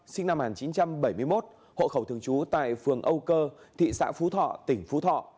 sinh năm một nghìn chín trăm bảy mươi một hộ khẩu thường trú tại phường âu cơ thị xã phú thọ tỉnh phú thọ